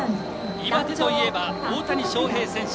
岩手といえば大谷翔平選手。